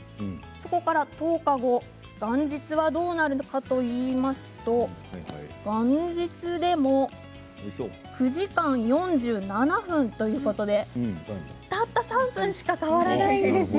そこから１０日後元日はどうなるのかといいますと元日でも９時間４７分ということでたった３分しか変わらないんですよ。